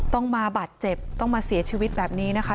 ต้องมาบาดเจ็บต้องมาเสียชีวิตแบบนี้นะคะ